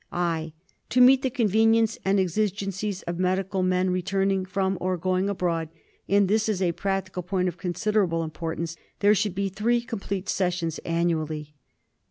(i) To meet the convenience and exigencies of medical men returning from or going abroad, and this is a practi^ cal point of considerable importance, there should be three complete sessions annually.